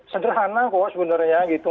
sederhana kok sebenarnya gitu